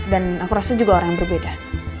dan aku rasa juga orang yang berbeda